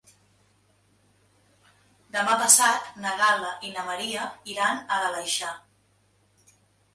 Demà passat na Gal·la i na Maria iran a l'Aleixar.